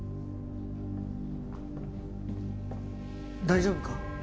大丈夫か？